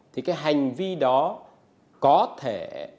thì cái hành vi đó có thể